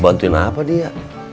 bantuin apa dia